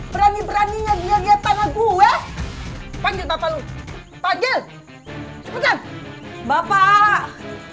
berani beraninya dia lihat tangan gue panggil bapak lu panggil cepetan bapak